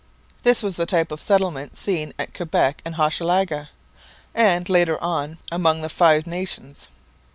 This was the type of settlement seen at Quebec and at Hochelaga, and, later on, among the Five Nations.